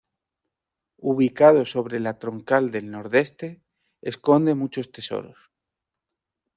Ubicado sobre la troncal del Nordeste, esconde muchos tesoros.